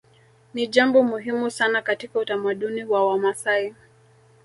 Ni jambo muhimu sana katika utamaduni wa Wamasai